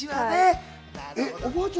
おばあちゃん